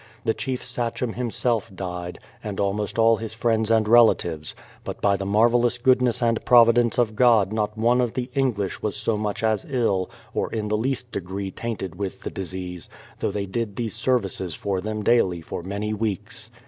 The chief Sachem himself died, and almost all his friends and rela tives; but by the marvellous goodness and providence of God not one of the English was so much as ill, or in the least degree tainted with the disease, though they did these services for them daily for many weeks.